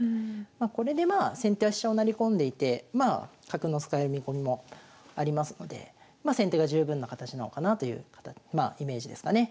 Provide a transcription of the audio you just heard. まこれでまあ先手は飛車を成り込んでいて角の使う見込みもありますのでま先手が十分な形なのかなというまあイメージですかね。